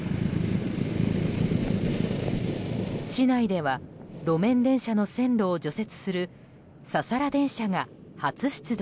市内では路面電車の線路を除雪するササラ電車が初出動。